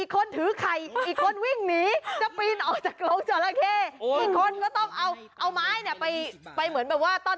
คนถ่ายคลิปก็จะวิ่งลงมาเหมือนกัน